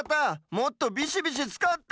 もっとビシビシつかって！